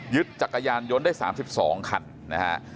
ยึดจักรยานยนต์ได้สามสิบสองคันนะฮะ